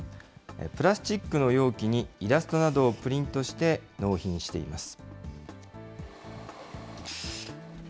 プラスチックの容器にイラストなどをプリントして納品しています。